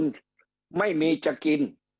ที่คนไม่มีจะกิน